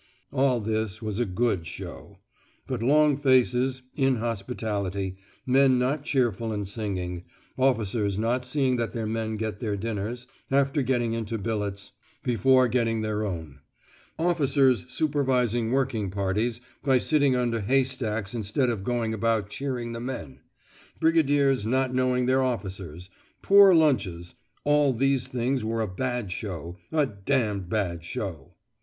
All this was a "good show." But long faces, inhospitality, men not cheerful and singing, officers not seeing that their men get their dinners, after getting into billets, before getting their own; officers supervising working parties by sitting under haystacks instead of going about cheering the men; brigadiers not knowing their officers; poor lunches all these things were a "bad show, a d d bad show!"